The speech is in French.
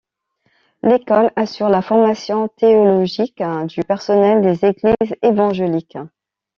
L'école assure la formation théologique du personnel des églises évangéliques.